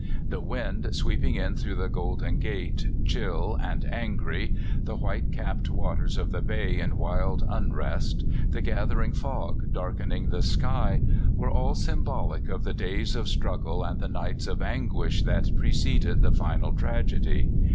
The wind sweeping in through the Golden Gate chill and angry, the white capped waters of the bay in wild unrest, the gathering fog darkening the sky — were all symbolic of the days of struggle and the nights of anguish that preceded the final tragedy.